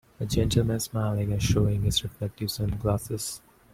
A gentleman smiling and showing his reflective sunglasses.